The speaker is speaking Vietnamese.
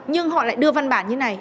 nhưng họ lại đưa văn bản như này